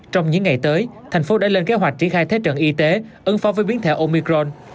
trong những ngày tới thành phố đã lên kế hoạch tri khai thế trận y tế ưng phong với biến thể omicron